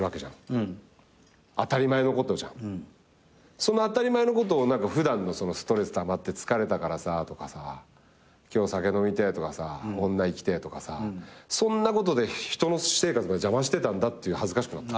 その当たり前のことを何か普段のストレスたまって疲れたからさとかさ今日酒飲みてえとかさ女いきてえとかさそんなことで人の私生活まで邪魔してたんだって恥ずかしくなった。